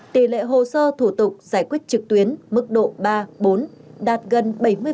tỷ lệ hồ sơ thủ tục giải quyết trực tuyến mức độ ba bốn đạt gần bảy mươi